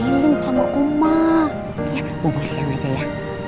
ya buang buang siang aja ya